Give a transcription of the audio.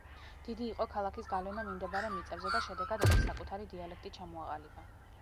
დიდი იყო ქალაქის გავლენა მიმდებარე მიწებზე და შედეგად, ენის საკუთარი დიალექტი ჩამოაყალიბა.